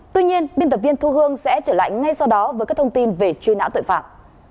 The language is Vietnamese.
tuy nhiên biên tập viên thu hương sẽ trở lại ngay sau đó với các thông tin về truy nã tội phạm